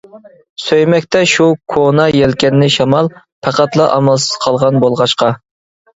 سۆيمەكتە شۇ كونا يەلكەننى شامال، پەقەتلا ئامالسىز قالغان بولغاچقا.